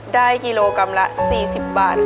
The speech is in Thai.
ได้กิโลกรัมละ๔๐บาท